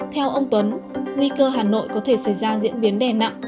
theo ông tuấn nguy cơ hà nội có thể xảy ra diễn biến đè nặng